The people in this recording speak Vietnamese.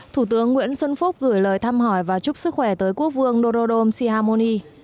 thủ tướng nguyễn xuân phúc gửi lời thăm hỏi và chúc sức khỏe tới quốc vương norodom sihamoni